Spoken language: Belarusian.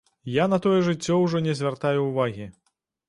Я на тое жыццё ўжо не звяртаю ўвагі.